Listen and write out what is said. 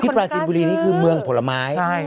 ปราจินบุรีนี่คือเมืองผลไม้